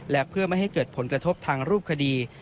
และเพื่อไม่ให้เกิดผลกระทบทางรูปคดี